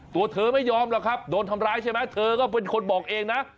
ตัวเธอไม่ยอมหรอกครับโดนทำร้ายใช่ไหมเธอก็เป็นคนบอกเองนะ